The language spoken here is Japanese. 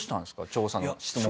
調査の質問は。